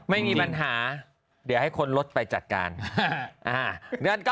ไม่มีปัญหาเดี๋ยวให้คนลดไปจัดการ